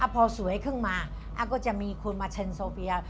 พอสวยขึ้นมาก็จะมีคุณมาเชิญโซเฟีย